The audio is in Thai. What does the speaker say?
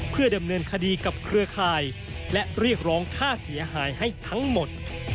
เพื่อดำเนินคดีกับเครือข่ายและเรียกร้องค่าเสียหายให้ทั้งหมด